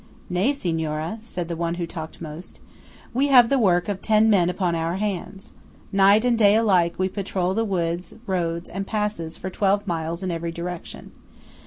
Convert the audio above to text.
"Nay, Signora," said the one who talked most, "we have the work of ten men upon our hands. Night and day alike, we patrol the woods, roads and passes for twelve miles in every direction.